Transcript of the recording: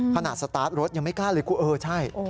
สตาร์ทรถยังไม่กล้าเลยกูเออใช่